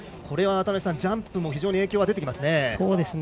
これは渡辺さんジャンプも非常に影響は出てきますね。